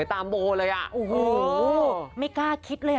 แปลวแปลวแปลว